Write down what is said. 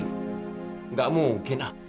nggak mungkin ah